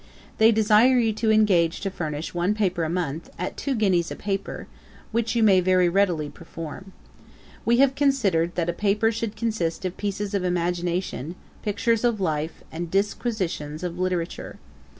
'They desire you to engage to furnish one paper a month, at two guineas a paper, which you may very readily perform. We have considered that a paper should consist of pieces of imagination, pictures of life, and disquisitions of literature.